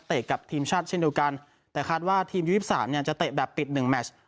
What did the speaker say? เตะกับทีมชัดเช่นเดียวกันแต่คาดว่าทีมยูสิบสามเนี่ยจะเตะแบบปิดหนึ่งแมตร